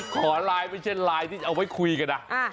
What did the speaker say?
ขอไลน์ไม่ใช่ไลน์ที่เอาไว้คุยกันนะ